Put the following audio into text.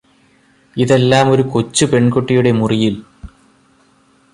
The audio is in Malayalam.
ഇതെല്ലാം ഒരു കൊച്ചു പെണ്കുട്ടിയുടെ മുറിയില്